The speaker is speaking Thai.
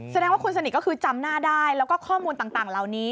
แสดงว่าคุณสนิทก็คือจำหน้าได้แล้วก็ข้อมูลต่างเหล่านี้